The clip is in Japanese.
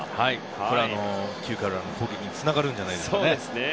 これは９回の裏の攻撃につながるんじゃないですかね。